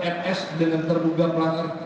fs dengan terduga pelanggar